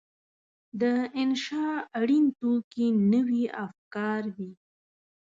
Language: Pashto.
د انشأ اړین توکي نوي افکار دي.